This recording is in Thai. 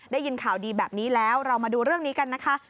ได้ยินข่าวดีแบบนี้แล้วเรามาดูเรื่องนี้กันนะคะ